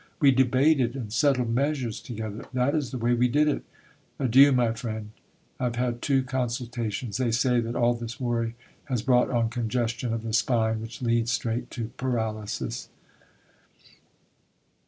We debated and settled measures together. That is the way we did it. Adieu, dear friend.... I have had two consultations. They say that all this worry has brought on congestion of the spine which leads straight to paralysis....